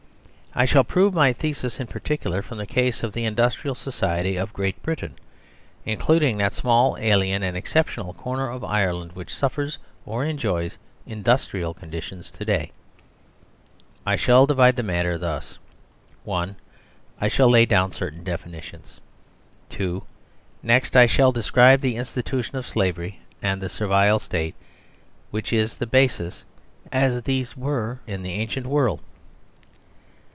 I shall prove my thesis in particular from the case of the industrial society of Great Britain, including that small, alien, and exceptional corner of Ireland, which suffers or enjoys industrial conditions to day. I shall divide the matter thus : (1) I shall lay down certain definitions. (2) Next, I shall describe the institution of slavery and THE SERVILE STATE of which it is the basis, as 4 THE SUBJECT OF THIS BOOK these were in the ancient world.